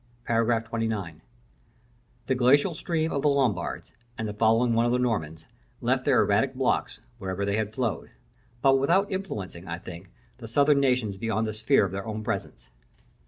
§ XXIX. The glacier stream of the Lombards, and the following one of the Normans, left their erratic blocks, wherever they had flowed; but without influencing, I think, the Southern nations beyond the sphere of their own presence.